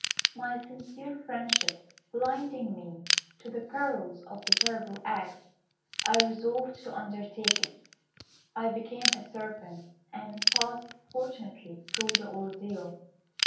My sincere friendship blinding me to the perils of "the Terrible Act," I resolved to undertake it. "I became a serpent, and passed fortunately through the ordeal.